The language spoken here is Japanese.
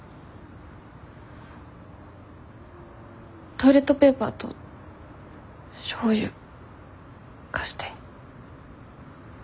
トイレットペーパーとしょうゆ貸して。